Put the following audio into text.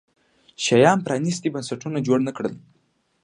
شیام پرانیستي بنسټونه جوړ نه کړل.